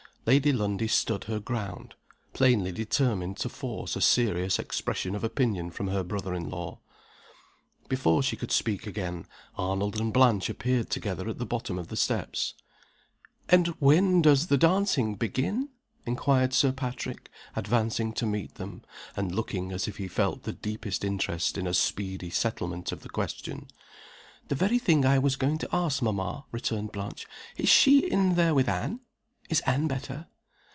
Lady Lundie stood her ground, plainly determined to force a serious expression of opinion from her brother in law. Before she could speak again, Arnold and Blanche appeared together at the bottom of the steps. "And when does the dancing begin?" inquired Sir Patrick, advancing to meet them, and looking as if he felt the deepest interest in a speedy settlement of the question. "The very thing I was going to ask mamma," returned Blanche. "Is she in there with Anne? Is Anne better?"